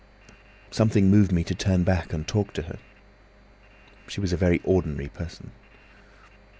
"Something moved me to turn back and talk to her. She was a very ordinary person.